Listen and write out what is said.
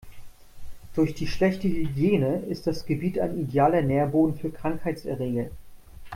Durch die schlechte Hygiene ist das Gebiet ein idealer Nährboden für Krankheitserreger.